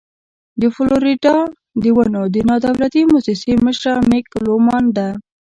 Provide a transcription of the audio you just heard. د فلوريډا د ونو د نادولتي مؤسسې مشره مېګ لومان ده.